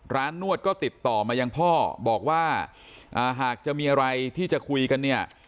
นวดก็ติดต่อมายังพ่อบอกว่าหากจะมีอะไรที่จะคุยกันเนี่ย